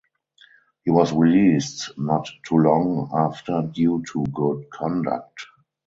He was released not too long after due to good conduct.